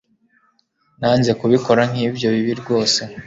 Nanze kubikora nkibyo bibi rwose